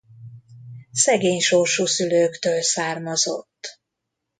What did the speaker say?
Szegény sorsú szülőktől származott.